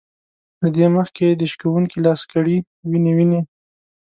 له دې مخکې د شکوونکي لاس کړي وينې وينې